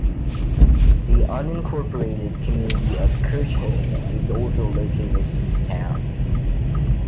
The unincorporated community of Kirchhayn is also located in the town.